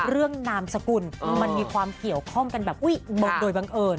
นามสกุลมันมีความเกี่ยวข้องกันแบบโดยบังเอิญ